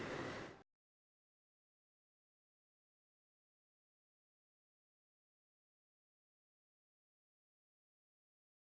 terima kasih saya backyard com